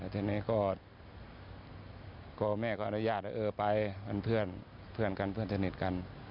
ทีนี้ก็แม่ก็อนุญาตว่าเออไปเป็นเพื่อนกันเพื่อนสนิทกัน